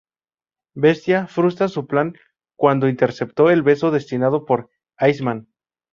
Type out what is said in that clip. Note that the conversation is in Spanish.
Bestia frustra su plan cuando interceptó el beso destinado para Iceman.